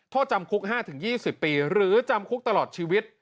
โทษจำคุก๕๒๐ปีหรือจำคุกตลอดชีวิต